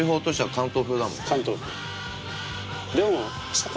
関東風。